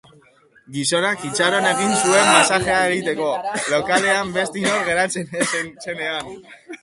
Gizonak itxaron egin zuen masajea egiteko, lokalean beste inor geratzen ez zenean.